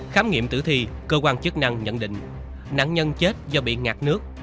khám nghiệm tử thi cơ quan chức năng nhận định nạn nhân chết do bị ngạt nước